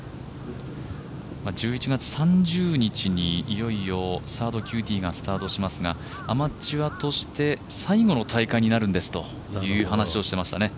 １１月３０日にいよいよサードＱＴがスタートしますがアマチュアとして最後の大会になるんですという話をしてましたね。